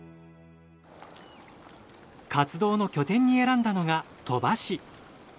活動の拠点に選んだのが鳥羽市。